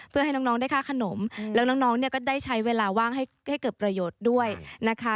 เพื่อให้น้องได้ค่าขนมแล้วน้องเนี่ยก็ได้ใช้เวลาว่างให้เกิดประโยชน์ด้วยนะคะ